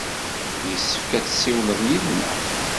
Yessefk ad tessiwled yid-neɣ.